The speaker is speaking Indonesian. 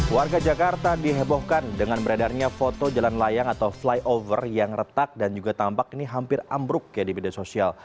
warga jakarta dihebohkan dengan beredarnya foto jalan layang atau flyover yang retak dan juga tampak ini hampir ambruk ya di media sosial